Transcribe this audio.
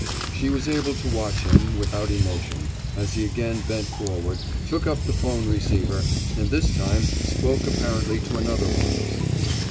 She was able to watch him, without emotion, as he again bent forward, took up the 'phone receiver, and this time spoke apparently to another office.